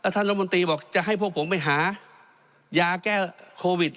รัฐมนตรีบอกจะให้พวกผมไปหายาแก้โควิด